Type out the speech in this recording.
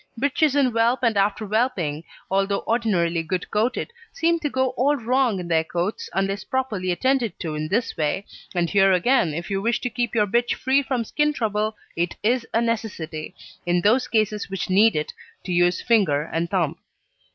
Bitches in whelp and after whelping, although ordinarily good coated, seem to go all wrong in their coats unless properly attended to in this way, and here again, if you wish to keep your bitch free from skin trouble, it is a necessity, in those cases which need it, to use finger and thumb.